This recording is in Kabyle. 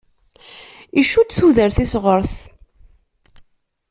Icudd tudert-is ɣer-s.